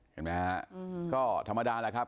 เห็นไหมฮะก็ธรรมดาแหละครับ